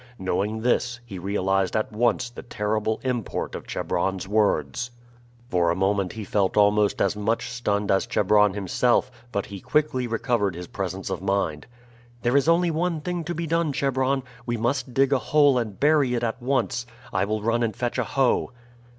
Knowing this, he realized at once the terrible import of Chebron's words. For a moment he felt almost as much stunned as Chebron himself, but he quickly recovered his presence of mind. "There is only one thing to be done, Chebron; we must dig a hole and bury it at once. I will run and fetch a hoe."